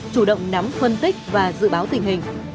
chủ động nắm phân tích và dự báo tình hình